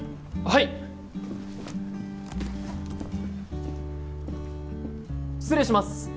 はい失礼します